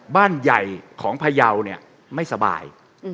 บ้านใหญ่ของพายาวเนี่ย